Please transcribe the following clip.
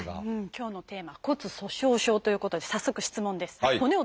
今日のテーマ「骨粗しょう症」ということで早速質問です。